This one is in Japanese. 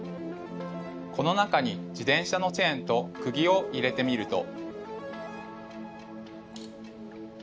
この中に自転車のチェーンとくぎを入れてみると。